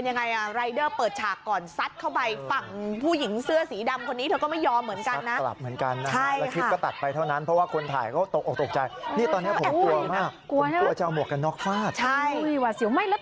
โอ้โหทุกคนโอ้โหร่